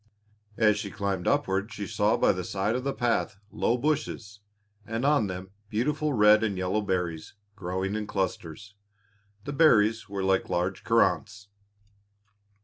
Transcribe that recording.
As she climbed upward she saw by the side of the path low bushes, and on them beautiful red and yellow berries, growing in clusters. The berries were like large currants.